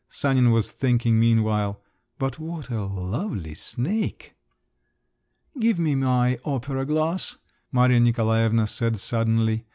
Sanin was thinking meanwhile; "but what a lovely snake!" "Give me my opera glass," Maria Nikolaevna said suddenly.